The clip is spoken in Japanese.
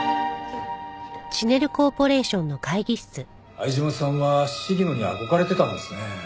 相島さんは鴫野に憧れてたんですね。